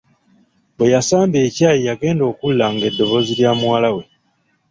Bweyasamba ekyayi yagenda okuwulira nga eddoboozi lya muwala we.